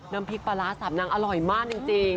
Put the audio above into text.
น้ำพริกปลาร้าสับนางอร่อยมากจริง